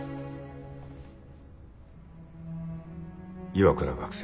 岩倉学生